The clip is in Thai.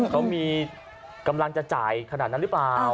เขามีกำลังจะจ่ายขนาดนั้นหรือเปล่า